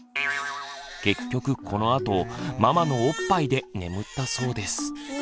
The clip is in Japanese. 結局このあとママのおっぱいで眠ったそうです。